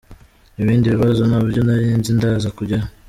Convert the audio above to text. Ibindi bibazo ntabyo nari nzi ndaza kujyayo.